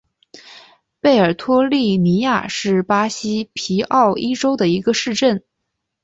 贝尔托利尼亚是巴西皮奥伊州的一个市镇。